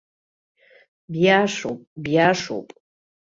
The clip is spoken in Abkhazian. Биашоуп, биашоуп.